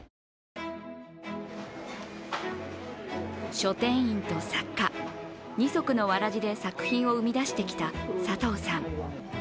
書店員と作家、二足のわらじで作品を生み出してきた佐藤さん。